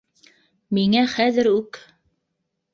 Миңә хәҙер үк